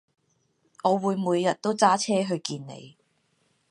我會每日都揸車去見你